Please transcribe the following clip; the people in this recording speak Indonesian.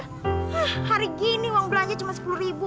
hah hari ini uang belanja cuma rp sepuluh